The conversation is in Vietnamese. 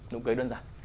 nụ cười đơn giản